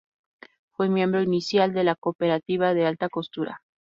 Fue miembro inicial de la Cooperativa de Alta Costura.